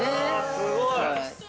◆すごい。